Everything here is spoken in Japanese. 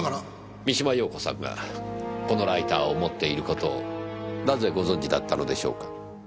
三島陽子さんがこのライターを持っている事をなぜご存じだったのでしょうか？